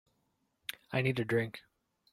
I need a drink.